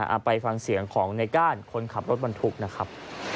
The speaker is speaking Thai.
เอาไปฟังเสียงของในก้านคนขับรถบรรทุกนะครับ